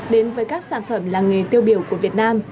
đến với các sản phẩm làng nghề tiêu biểu của việt nam